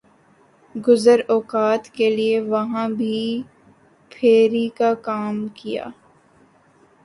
گزر اوقات کیلئے وہاں بھی پھیر ی کاکام کیا۔